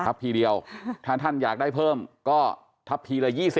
ทีเดียวถ้าท่านอยากได้เพิ่มก็ทับทีละ๒๐